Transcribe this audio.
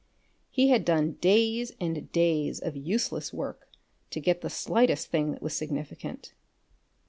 He had done days and days of useless work to get the slightest thing that was significant.